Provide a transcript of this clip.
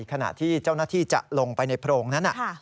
ขณะที่เจ้าหน้าที่จะลงไปในโพรงนั้น